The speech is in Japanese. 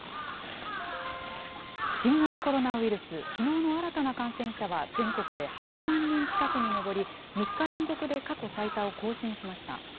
新型コロナウイルス、きのうの新たな感染者は全国で８万人近くに上り、３日連続で過去最多を更新しました。